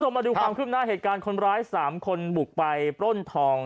มาดูความขึ้นหน้าเหตุการณ์คนร้าย๓คนบุกไปปล้นทอง